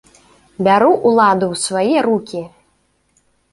Бяру ўладу ў свае рукі!